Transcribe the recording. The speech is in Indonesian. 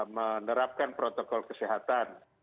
menerapkan protokol kesehatan